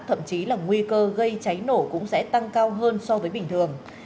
thậm chí là nguy cơ gây cháy nổ cũng sẽ tăng cao hơn so với bình thường